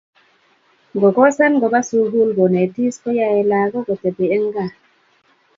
ngokosan kopa sukul konetis koyaei lakok kotepi eng kaa